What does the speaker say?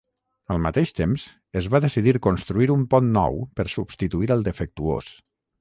Al mateix temps, es va decidir construir un pont nou per substituir el defectuós.